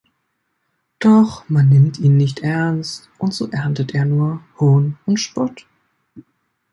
Doch man nimmt ihn nicht ernst und so erntet er nur Hohn und Spott.